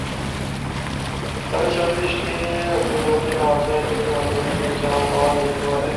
তাদের চোখের দৃষ্টি, অক্ষিগোলকের নড়াচড়া ইত্যাদির মাধ্যমে তারা তাদের চাওয়া-পাওয়া বোঝাতে পারে।